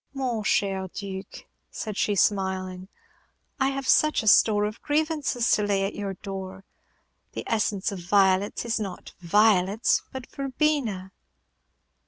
"Mon cher Duc" said she, smiling, "I have such a store of grievances to lay at your door. The essence of violets is not violets, but verbena."